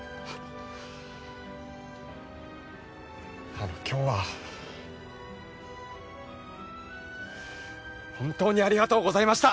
あの今日は本当にありがとうございました！